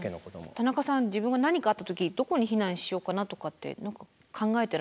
田中さん自分が何かあった時どこに避難しようかなとかって何か考えてらしたりしますか？